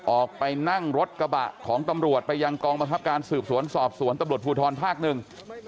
ออกไปนั่งรถกระบะของตำรวจไปยังกองบังคับการสืบสวนสอบสวนตำรวจภูทรภาคหนึ่ง